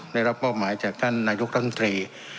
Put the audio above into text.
ได้รับป้อมหมายจากท่านนายุทธนตรี